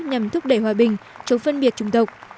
nhằm thúc đẩy hòa bình chống phân biệt chủng tộc